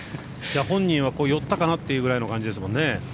本人は寄ったかなというくらいの感じですもんね。